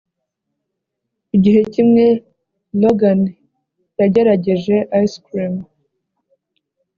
igihe kimwe logan yagerageje ice cream